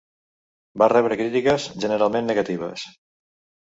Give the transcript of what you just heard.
Va rebre crítiques generalment negatives.